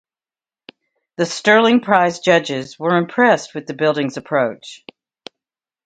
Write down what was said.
The Stirling prize judges were impressed with the building's approach.